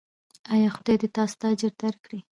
ایا خدای دې تاسو ته اجر درکړي؟